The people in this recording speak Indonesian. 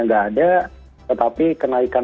nggak ada tetapi kenaikan